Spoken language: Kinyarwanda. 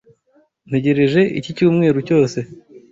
Ntegereje iki cyumweru cyose.